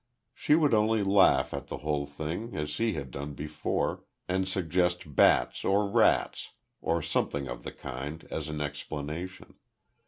He would only laugh at the whole thing as he had done before and suggest bats or rats, or something of the kind as an explanation.